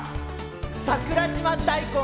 桜島大根。